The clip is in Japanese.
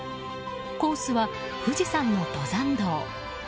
コースは富士山の登山道。